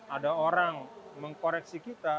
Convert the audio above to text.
ada orang mengkoreksi kita